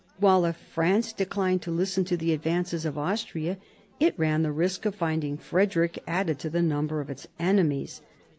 While, if France declined to listen to the advances of Austria, it ran the risk of finding Frederick added to the number of its enemies.